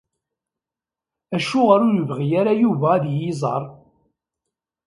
Acuɣeṛ ur yebɣi ara Yuba ad yi-iẓeṛ?